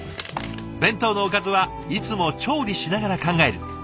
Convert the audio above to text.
弁当のおかずはいつも調理しながら考える。